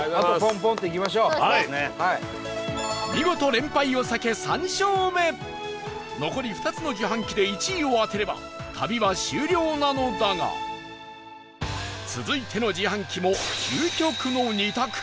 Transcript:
見事、連敗を避け３勝目残り２つの自販機で１位を当てれば旅は終了なのだが続いての自販機も究極の２択